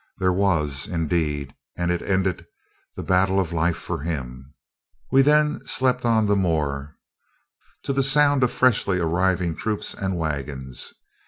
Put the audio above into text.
There was, indeed, and it ended the battle of life for him.] We then slept on the moor, to the sound of freshly arriving troops and wagons.